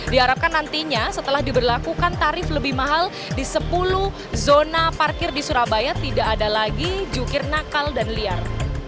diharapkan nantinya setelah diberlakukan tarif lebih mahal di sepuluh zona parkir di surabaya tidak ada lagi jukir nakal dan liar